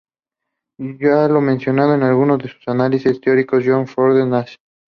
Ya lo menciona en algunos de sus análisis el Teórico John Forbes Nash.